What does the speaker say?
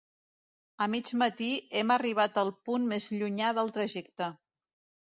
A mig matí hem arribat al punt més llunyà del trajecte.